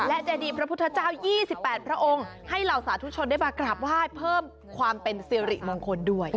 และแจดีพระพุทธเจ้ายี่สิบแปดพระองค์ให้เหล่าศาสตร์ทุกชนได้มากราบไหว้เพิ่มความเป็นซีอิหริบังคลด้วยครับ